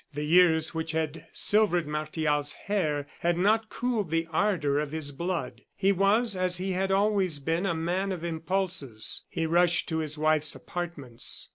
The years which had silvered Martial's hair, had not cooled the ardor of his blood. He was, as he had always been, a man of impulses. He rushed to his wife's apartments.